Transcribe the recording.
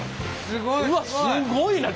すごいな。